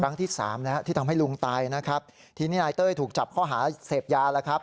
ที่สามแล้วที่ทำให้ลุงตายนะครับทีนี้นายเต้ยถูกจับข้อหาเสพยาแล้วครับ